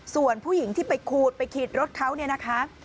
ส่วนผู้หญิงที่ไปขูดไปขีดรถเขาเนี่ยนะคะ